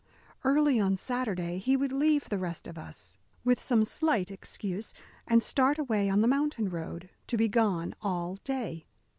Early on Saturday he would leave the rest of us, with some slight excuse, and start away on the mountain road, to be gone all day.